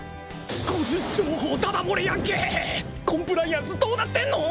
個人情報ダダ漏れやんけコンプライアンスどうなってんの！